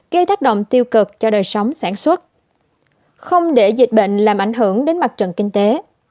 gây tác động tiêu cực cho đời sống sản xuất không để dịch bệnh làm ảnh hưởng đến mặt trận kinh tế